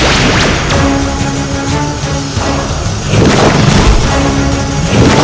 actif paftai saj ya mus'alimvu